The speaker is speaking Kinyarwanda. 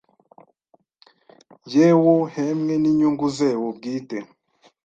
yewo hemwe n’inyungu zewo bwite